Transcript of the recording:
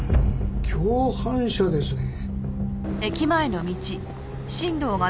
共犯者ですね。